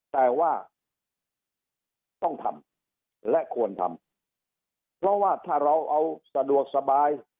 แต่ว่าต้องทำและควรทำเพราะว่าถ้าเราเอาสะดวกสบาย